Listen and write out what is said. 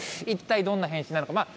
一体どんな変身なのか。